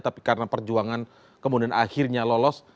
tapi karena perjuangan kemudian akhirnya lolos